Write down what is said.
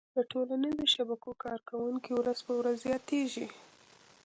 د ټولنیزو شبکو کارونکي ورځ په ورځ زياتيږي